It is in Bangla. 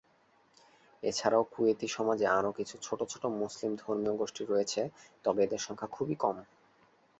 এছাড়াও কুয়েতি সমাজে আরো কিছু ছোট ছোট মুসলিম ধর্মীয় গোষ্ঠী রয়েছে, তবে এদের সংখ্যা খুবই কম।